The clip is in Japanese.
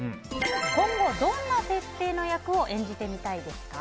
今後どんな設定の役を演じてみたいですか？